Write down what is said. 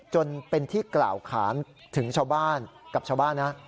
จนเป็นที่กล่าวขานถึงชาวบ้านกับชาวบ้านนะ